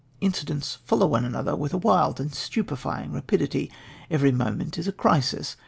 Incidents follow one another with a wild and stupefying rapidity. Every moment is a crisis.